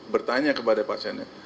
bertanya kepada pasiennya